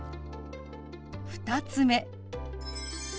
２つ目。